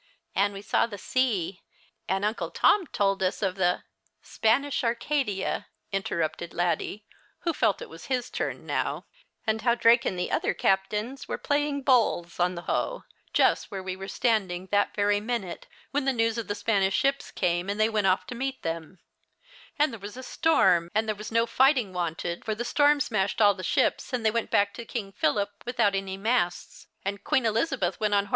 And we saw the sea, and Uncle Tom told us of the " "Spanish Arcadia," interrupted Laddie, who felt it was his turn now, " and how Drake and the other captains were playing bowls on the Hoe, just where' we were standing that very minute, when the news of the Spanish ships came and they went off to meet them ; and there was a storm, and there was no fighting wanted, for the storm smashed all tlie ships, and they went back to King Philip without any masts, and Queen Elizabeth went on 112 The Christjvias Hirelings.